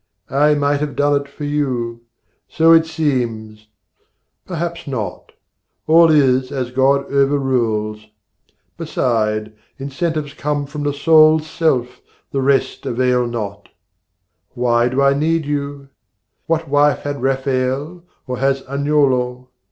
' I might have done it for you. So it seems: Perhaps not. All is as God over rules. Beside, incentives come from the soul's self; The rest avail not. Why do I need you? What wife had Rafael, or has Agnolo?